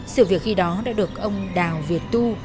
sự việc khi đó đã được ông đào việt tu